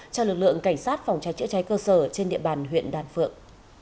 cho lực lượng cảnh sát phòng cháy chữa cháy cơ sở trên địa bàn huyện đan phượng